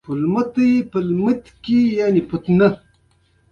خپلمنځي وړتیاوې څه دي او ولې سوداګري کې اړینې دي؟